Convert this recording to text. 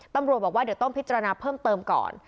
ตำรวจบอกว่าเดี๋ยวต้องพิจารณาเพิ่มเติมก่อน